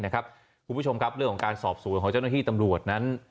คุณผู้ชมครับเรื่องของการสอบสวนของเจ้าหน้าที่ตำรวจนั้น